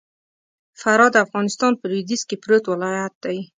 فراه د افغانستان په لوېديځ کي پروت ولايت دئ.